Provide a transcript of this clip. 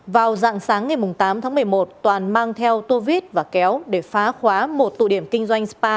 vào dạng sáng ngày tám tháng một mươi một toàn mang theo tô vít và kéo để phá khóa một tụ điểm kinh doanh spa